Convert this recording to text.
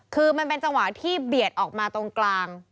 คือมันเป็นจังหวะที่เบียดออกมาตรงกลาง